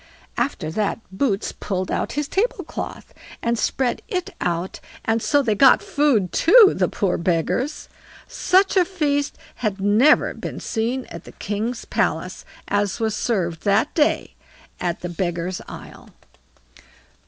After that, Boots pulled out his table cloth, and spread it out, and so they got food too, the poor beggars. Such a feast had never been seen at the king's palace, as was served that day at the Beggars' Isle.